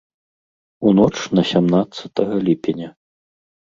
У ноч на сямнаццатага ліпеня.